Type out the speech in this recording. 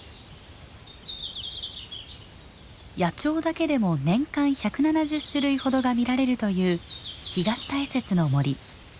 野鳥だけでも年間１７０種類ほどが見られるという東大雪の森。